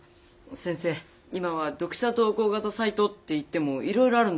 先生今は読者投稿型サイトっていってもいろいろあるんだ。